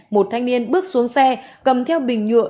một thanh niên bước xuống xe cầm theo bình nhựa